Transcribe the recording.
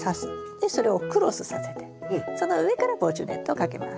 でそれをクロスさせてその上から防虫ネットをかけます。